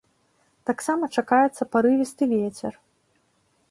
Таксама чакаецца парывісты вецер.